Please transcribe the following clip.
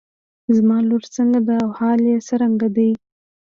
زما لور څنګه ده او حال يې څرنګه دی.